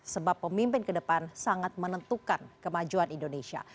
sebab pemimpin ke depan sangat menentukan kemajuan indonesia